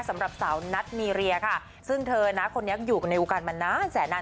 สำหรับสาวนัทมีเรียค่ะซึ่งเธอนะคนนี้อยู่กันในวงการมานานแสนนาน